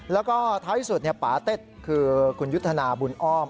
แล้วก็ท้ายสุดปาเต็ดคือคุณยุทธนาบุญอ้อม